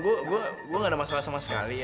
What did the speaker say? gue gue gue nggak ada masalah sama sekali